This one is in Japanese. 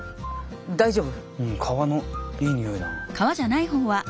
大丈夫？